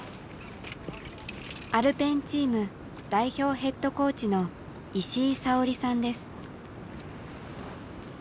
アルペンチーム代表ヘッドコーチの石井沙織さんです。